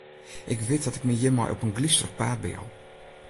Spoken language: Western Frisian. Ik wit dat ik my hjirmei op in glysterich paad bejou.